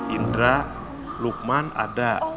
indra lukman ada